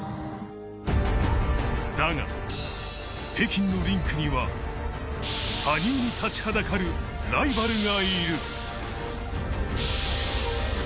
だが、北京のリンクには羽生に立ちはだかるライバルがいる。